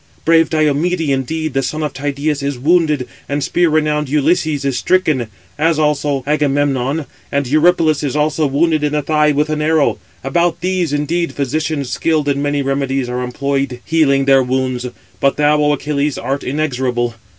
Brave Diomede, indeed, the son of Tydeus, is wounded, and spear renowned Ulysses is stricken, as also Agamemnon; and Eurypylus is also wounded in the thigh with an arrow. About these, indeed, physicians skilled in many remedies are employed healing their wounds: but thou, O Achilles, art inexorable.